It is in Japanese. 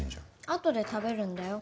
あとで食べるんだよ。